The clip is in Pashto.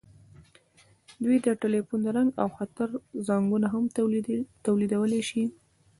دوی د ټیلیفون زنګ او خطر زنګونه هم تولیدولی شي.